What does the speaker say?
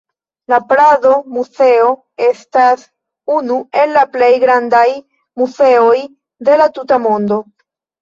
La Prado-Muzeo estas unu el la plej grandaj muzeoj de la tuta mondo.